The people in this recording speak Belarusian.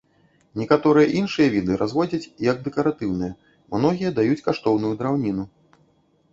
Некаторыя іншыя віды разводзяць як дэкаратыўныя, многія даюць каштоўную драўніну.